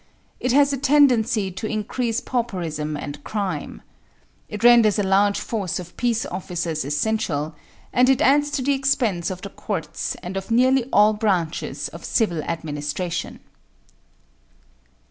It has a tendency to increase pauperism and crime. It renders a large force of peace officers essential, and it adds to the expense of the courts and of nearly all branches of civil administration.